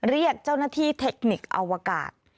เรียกเจ้าหน้าที่เทคนิคอวกาศ